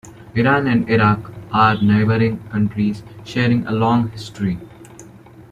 Iran and Iraq are neighbouring countries, sharing a long history.